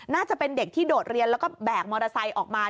น่าจะเป็นเด็กที่โดดเรียนแล้วก็แบกมอเตอร์ไซค์ออกมา